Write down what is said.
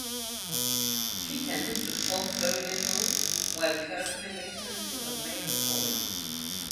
She tended to talk very little while carefully listening to her male colleagues.